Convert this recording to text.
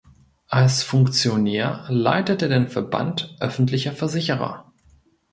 Als Funktionär leitet er den Verband öffentlicher Versicherer.